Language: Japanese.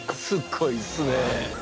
すごいっすねえ。